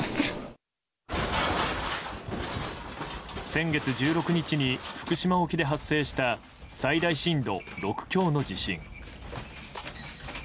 先月１６日に福島沖で発生した最大震度６強の地震。